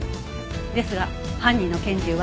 ですが犯人の拳銃は。